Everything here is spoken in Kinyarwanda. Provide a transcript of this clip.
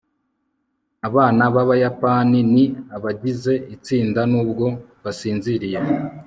abana b'abayapani ni abagize itsinda nubwo basinziriye